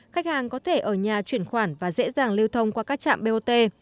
khách hàng có thể ở nhà chuyển khoản và dễ dàng lưu thông qua các trạm bot